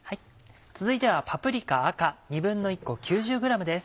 続いてはパプリカ赤１／２個９０ｇです。